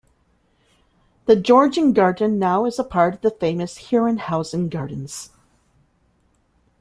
The Georgengarten now is a part of the famous Herrenhausen Gardens.